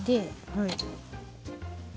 はい。